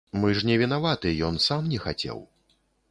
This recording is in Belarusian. Мы ж не вінаваты, ён сам не хацеў.